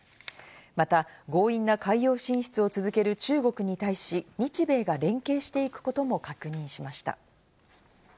また強引な海洋進出を続ける中国に対し、日米が連携していくことも確認しました。